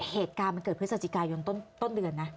เหตุการณ์มันเกิดพฤศจิกายนต้นเดือนนะ